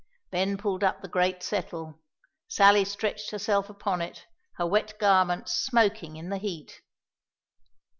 Ben pulled up the great settle; Sally stretched herself upon it, her wet garments smoking in the heat.